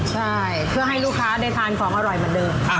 ใช่เพื่อให้ลูกค้าได้ทานของอร่อยเหมือนเดิม